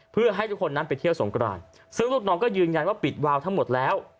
เพื่อให้ทุกคนนั้นไปเที่ยวสงกรานซึ่งลูกน้องก็ยืนยันว่าปิดวาวทั้งหมดแล้ว